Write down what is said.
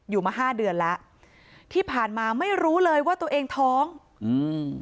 อยู่มาห้าเดือนแล้วที่ผ่านมาไม่รู้เลยว่าตัวเองท้องอืม